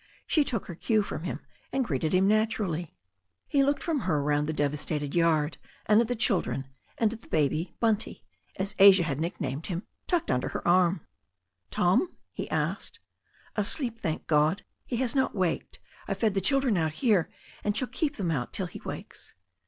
She took her cue from him and greeted him naturally. He looked from her round the devastated yard, and at the chil dren, and at the baby, Bunty, as Asia had nicknamed him, tucked under her arm. l82 THE STORY OF A NEW ZEALAND RIVER "Tom?" he asked. "Asleep, thank God! He has not waked. I fed the chil dren out here, and shall keep them out till he wakes.'